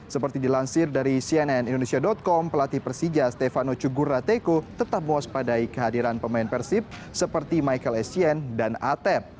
seperti dilansir dari cnn indonesia com pelatih persija stefano cugurrateko tetap muas padai kehadiran pemain persib seperti michael esien dan atep